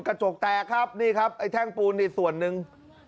กระจกแตกครับนี่ครับไอ้แท่งปูนนี่ส่วนหนึ่ง